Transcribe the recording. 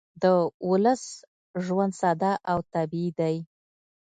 د ولس ژوند ساده او طبیعي دی